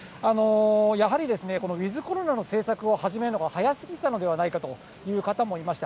やはりこのウィズコロナの政策を始めるのが早すぎたのではないかという方もいました。